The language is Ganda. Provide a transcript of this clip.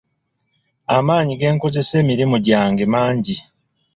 Amaanyi ge nkozesa emirimu gyange mangi.